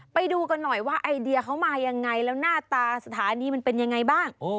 ไปดูกันหน่อยว่าไอเดียเขามายังไงแล้วหน้าตาสถานีมันเป็นยังไงบ้าง